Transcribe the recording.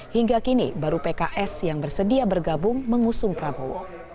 hingga kini baru pks yang bersedia bergabung mengusung prabowo